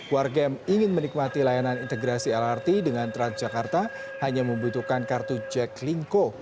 warga yang ingin menikmati layanan integrasi lrt dengan transjakarta hanya membutuhkan kartu jack linco